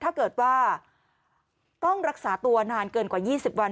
ถ้าเกิดว่าต้องรักษาตัวนานเกินกว่า๒๐วัน